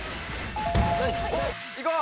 いこう！